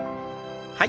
はい。